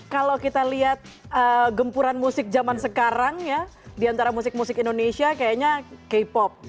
kalau kita lihat gempuran musik zaman sekarang ya diantara musik musik indonesia kayaknya k pop